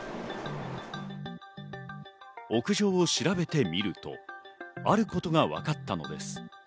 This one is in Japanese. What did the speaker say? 屋上を調べてみるとあることがわかったのです。